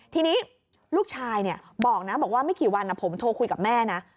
ทีนี้ลูกชายบอกนะบอกว่าไม่กี่วันผมโทรคุยกับแม่นะ